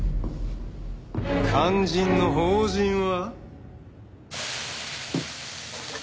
肝心の法人は？